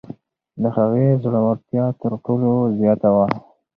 د هغې زړورتیا تر ټولو زیاته وه.